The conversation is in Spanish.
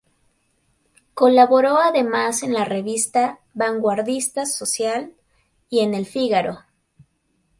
Colaboró además en la revista vanguardista "Social" y en "El Fígaro".